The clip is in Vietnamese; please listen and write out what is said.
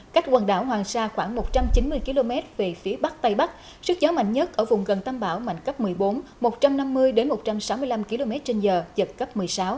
cách quần đảo hoàng sa khoảng một trăm chín mươi km về phía bắc tây bắc sức gió mạnh nhất ở vùng gần tâm bão mạnh cấp một mươi bốn một trăm năm mươi một trăm sáu mươi năm km trên giờ giật cấp một mươi sáu